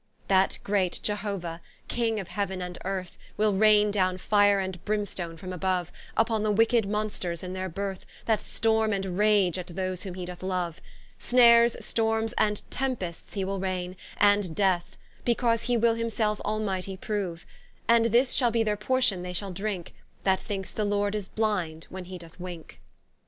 That great Iehova King of heav'n and earth, Will raine downe fire and brimstone from above, Vpon the wicked monsters in their berth That storme and rage at those whom he doth love: Snares, stormes, and tempests he will raine, and death, Because he will himselfe almightie prove: And this shall be their portion they shall drinke, That thinkes the Lord is blind when he doth winke.